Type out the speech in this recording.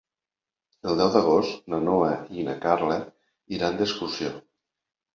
El deu d'agost na Noa i na Carla iran d'excursió.